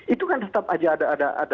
itu kan tetap aja ada